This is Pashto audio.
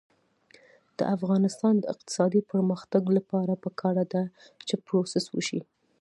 د افغانستان د اقتصادي پرمختګ لپاره پکار ده چې پروسس وشي.